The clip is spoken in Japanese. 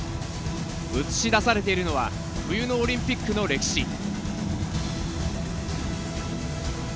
映し出されているのは冬のオリンピックの歴史。